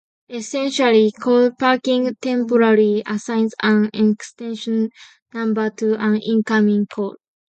Essentially, call parking temporarily assigns an extension number to an incoming call.